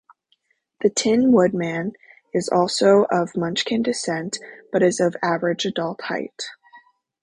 The Tin Woodman is also of Munchkin descent but is of average adult height.